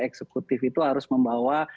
konstitusi itu harus membawa